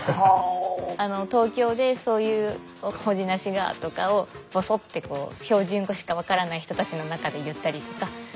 東京でそういう「ほじなしが」とかをぼそって標準語しか分からない人たちの中で言ったりとか。